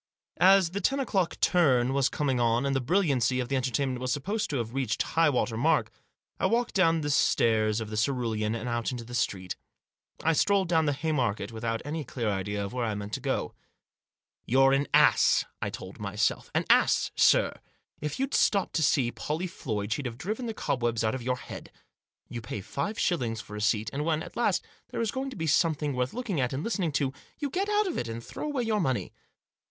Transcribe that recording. As the ten o'clock " turn " was coming on, and the brilliancy of the entertainment was supposed to have reached high water mark, I walked down the stairs of the Cerulean and out into the street. I strolled down the Haymarket without any clear idea of where I meant to go. " You're an ass," I told myself. " An ass, sir ! If you'd stopped to see Pollie Floyd she'd have driven the cobwebs out of your head. You pay five shillings for a seat, and when, at last, there is going to be some thing worth looking at, and listening to, you get out of it, and throw away your money.